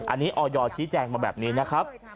อันนี้ออยชี้แจงมาแบบนี้นะครับ